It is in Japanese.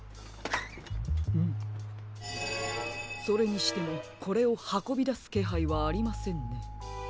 それにしてもこれをはこびだすけはいはありませんね。